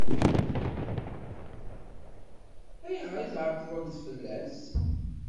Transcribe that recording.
Ayɣer i tɛeṭṭlemt fell-as?